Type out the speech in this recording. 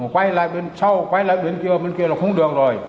quay lại bên sau quay lại bên kia bên kia là không đường rồi